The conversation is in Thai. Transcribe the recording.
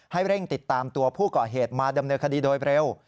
ให้เร่งติดตามตัวผู้ก่อเหตุมาดำเนินคดีโดยเร็ว